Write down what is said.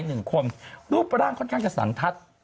หนึ่งคนรูปร่างค่อนข้างจะสันทัศน์